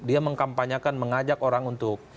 dia mengkampanyekan mengajak orang untuk